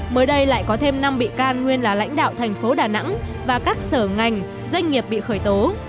mới đây lại có thêm năm bị can nguyên là lãnh đạo thành phố đà nẵng và các sở ngành doanh nghiệp bị khởi tố